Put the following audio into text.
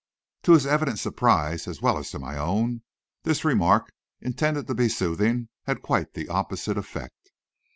To his evident surprise, as well as to my own, this remark, intended to be soothing, had quite the opposite effect.